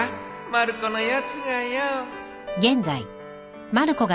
まる子のやつがよ